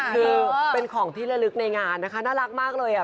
คือเป็นของที่ระลึกในงานนะคะน่ารักมากเลย